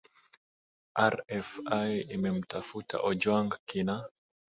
rfi imemtafuta ojwang kina